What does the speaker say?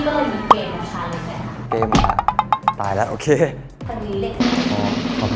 สกิลการเต้นไฟแรงมากมากสื่อสารทางด้านด้านกลางตอนนี้ก็มีเกมของชาวสุดแหละครับ